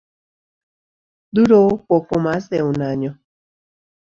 Duró poco más de un año.